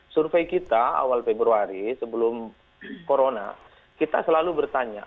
survei kita awal februari sebelum corona kita selalu bertanya